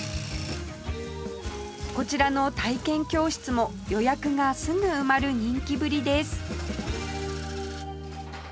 こちらの体験教室も予約がすぐ埋まる人気ぶりです